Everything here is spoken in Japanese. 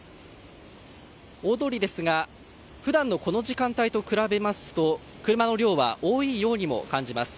大通りですが普段のこの時間帯と比べますと車の量は多いようにも感じます。